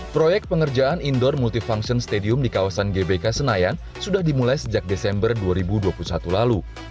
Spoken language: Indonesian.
proyek pengerjaan indoor multifunction stadium di kawasan gbk senayan sudah dimulai sejak desember dua ribu dua puluh satu lalu